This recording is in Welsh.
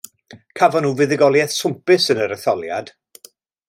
Cafon nhw fuddugoliaeth swmpus yn yr etholiad.